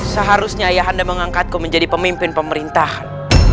seharusnya ayah anda mengangkatku menjadi pemimpin pemerintahan